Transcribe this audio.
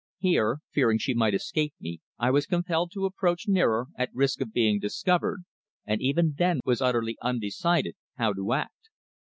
Here, fearing she might escape me, I was compelled to approach nearer, at risk of being discovered, and even then was still utterly undecided how to act.